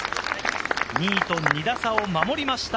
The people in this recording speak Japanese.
２位と２打差を守りました。